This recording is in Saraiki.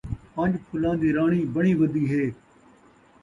پنج پھلاں دی راݨی بݨی ودی ہے